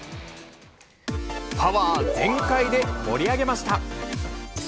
パワー全開で盛り上げました。